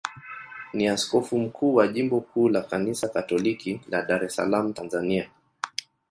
ni askofu mkuu wa jimbo kuu la Kanisa Katoliki la Dar es Salaam, Tanzania.